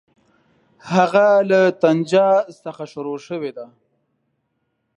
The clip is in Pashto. هغه له طنجه څخه شروع شوې ده.